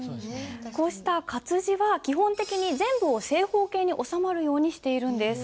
こうした活字は基本的に全部を正方形に収まるようにしているんです。